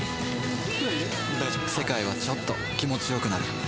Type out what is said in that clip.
世界はちょっと気持ちよくなる